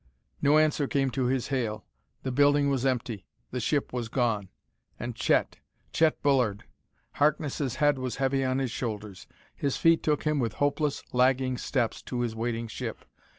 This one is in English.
No answer came to his hail. The building was empty; the ship was gone. And Chet! Chet Bullard!... Harkness' head was heavy on his shoulders; his feet took him with hopeless, lagging steps to his waiting ship.